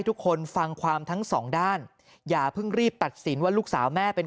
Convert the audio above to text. ทุกคนฟังความทั้งสองด้านอย่าเพิ่งรีบตัดสินว่าลูกสาวแม่เป็น